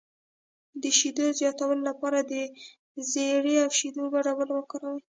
د شیدو زیاتولو لپاره د زیرې او شیدو ګډول وکاروئ